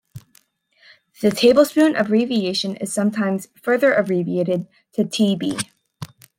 The tablespoon abbreviation is sometimes further abbreviated to Tb.